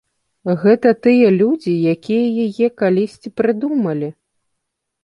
Гэта тыя людзі, якія яе калісьці прыдумалі.